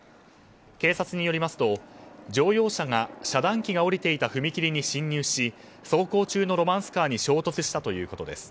警察によりますと乗用車が遮断機が下りていた踏切に進入し走行中のロマンスカーに衝突したということです。